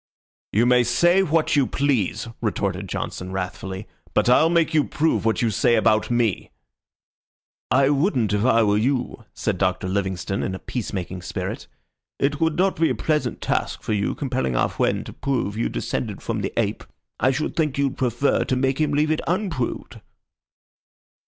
"You may say what you please," retorted Johnson, wrathfully, "but I'll make you prove what you say about me." "I wouldn't if I were you," said Doctor Livingstone, in a peace making spirit. "It would not be a pleasant task for you, compelling our friend to prove you descended from the ape. I should think you'd prefer to make him leave it unproved."